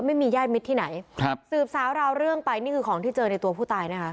ไม่มีญาติมิตรที่ไหนครับสืบสาวราวเรื่องไปนี่คือของที่เจอในตัวผู้ตายนะคะ